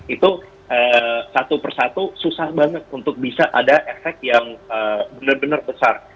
itu satu persatu susah banget untuk bisa ada efek yang benar benar besar